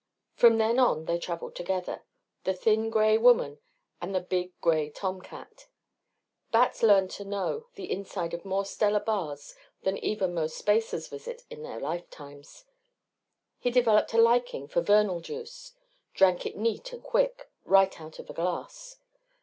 From then on they traveled together the thin gray woman and the big gray tom cat. Bat learned to know the inside of more stellar bars than even most spacers visit in their lifetimes. He developed a liking for Vernal juice, drank it neat and quick, right out of a glass.